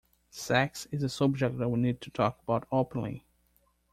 Sex is a subject that we need to talk about openly.